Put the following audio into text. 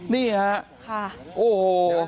นี่อังมั้ยคะค่ะโอ้โห